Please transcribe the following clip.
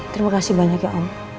terima kasih banyak ya om